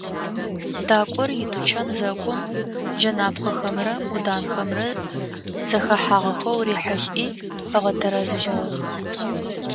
Дакӏор итучан зэкӏом, джэнапхъэхэмрэ ӏуданэхэмрэ зэхэхьагъэхэу рихьылӏи ыгъэтэрэзыжьыгъэх.